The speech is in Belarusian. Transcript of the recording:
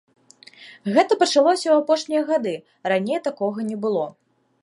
Гэта пачалося ў апошнія гады, раней такога не было.